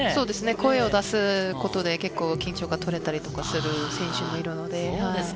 声を出すことで結構、緊張感が取れたりする選手もいますので。